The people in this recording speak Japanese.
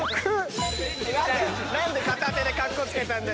何で片手でカッコつけたんだ？